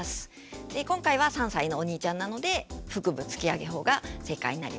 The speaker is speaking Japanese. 今回は３歳のお兄ちゃんなので腹部突き上げ法が正解になります。